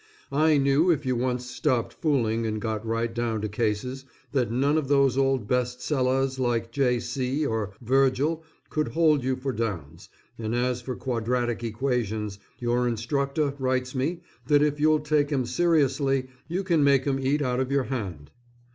I knew if you once stopped fooling and got right down to cases, that none of those old best sellers like J. C. or Virgil could hold you for downs, and as for Quadratic Equations, your instructor writes me that if you'll take 'em seriously you can make 'em eat out of your hand.